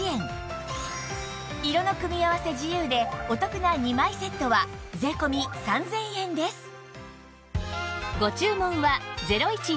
色の組み合わせ自由でお得な２枚セットは税込３０００円です